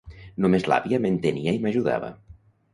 Només l'àvia m'entenia i m'ajudava.